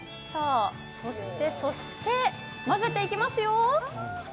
そしてそして、混ぜていきますよ。